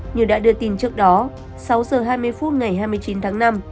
như đã đưa tin trước đó sáu giờ hai mươi phút ngày hai mươi chín tháng năm